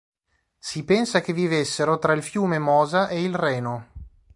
Si pensa che vivessero tra il fiume Mosa e il Reno.